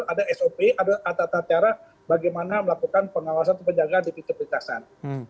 ada sop ada atat atat cara bagaimana melakukan pengawasan atau penjaga di pintu perlintasan